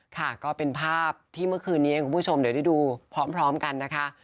ค่ะก็เป็นภาพที่เมื่อคืนนี้เองคุณผู้ชมเดี๋ยวได้ดูพร้อมกันนะคะ